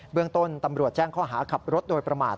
เรื่องต้นตำรวจแจ้งข้อหาขับรถโดยประมาท